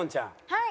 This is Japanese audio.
はい。